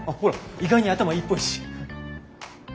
意外に頭いいっぽいし。